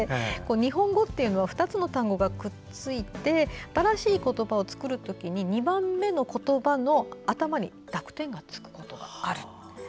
日本語っていうのは２つの単語がくっついて新しい言葉を作る時に、２番目の言葉の頭に濁点がつくことがある。